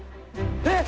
えっ！？